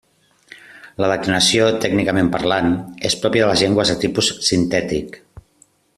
La declinació, tècnicament parlant, és pròpia de les llengües de tipus sintètic.